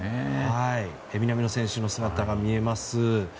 南野選手の姿が見えます。